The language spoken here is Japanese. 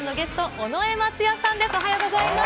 おはようございます。